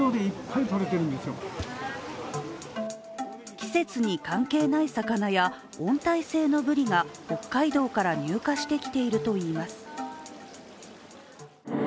季節に関係ない魚や温帯性のぶりが北海道から入荷してきているといいます。